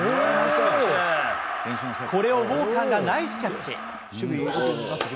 これをウォーカーがナイスキャッチ。